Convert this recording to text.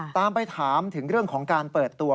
ตามไปถามถึงเรื่องของการเปิดตัว